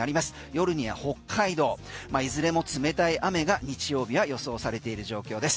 夜には北海道いずれも冷たい雨が日曜日は予想されている状況です。